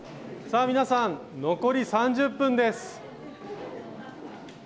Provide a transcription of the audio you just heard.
さあ皆さん残り３０分です。